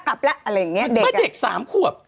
กลับแล้วอะไรอย่างเนี่ยเด็ก๓ควบ